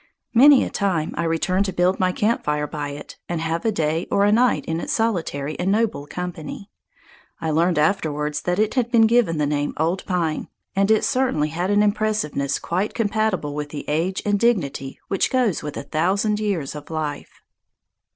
Many a time I returned to build my camp fire by it and have a day or a night in its solitary and noble company. I learned afterwards that it had been given the name "Old Pine," and it certainly had an impressiveness quite compatible with the age and dignity which go with a thousand years of life.